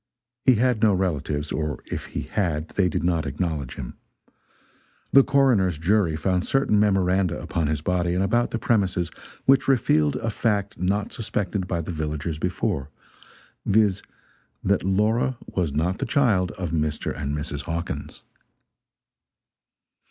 He had no relatives or if he had they did not acknowledge him. The coroner's jury found certain memoranda upon his body and about the premises which revealed a fact not suspected by the villagers before viz., that Laura was not the child of Mr. and Mrs. Hawkins.